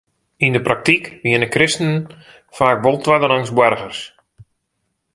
Yn de praktyk wienen kristenen faak wol twadderangs boargers.